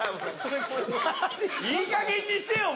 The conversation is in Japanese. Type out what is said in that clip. いいかげんにしてよ！